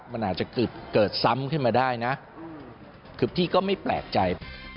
มันอาจจะเกิดซ้ำขึ้นมาได้นะคือพี่ก็ไม่แปลกใจ